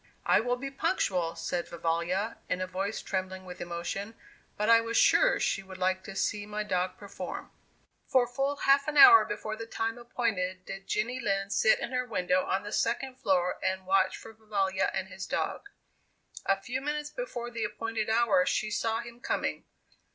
"I will be punctual," said Vivalla, in a voice trembling with emotion; "but I was sure she would like to see my dog perform." For full half an hour before the time appointed did Jenny Lind sit in her window on the second floor and watch for Vivalla and his dog. A few minutes before the appointed hour, she saw him coming.